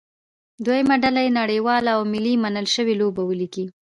دویمه ډله دې نړیوالې او ملي منل شوې لوبې ولیکي.